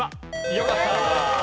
よかった！